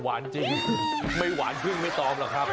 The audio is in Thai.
จริงไม่หวานพึ่งไม่ตอมหรอกครับ